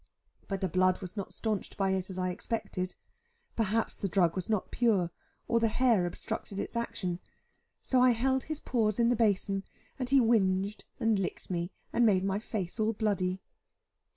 But the blood was not stanched by it as I expected; perhaps the drug was not pure, or the hair obstructed its action. So I held his paws in the basin, and he whinged, and licked me, and made my face all bloody.